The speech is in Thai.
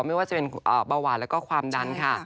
ไม่ว่าจะเป็นเบาหวานแล้วก็ความดันค่ะ